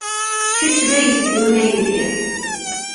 Kečč d ageldun, a Yidir.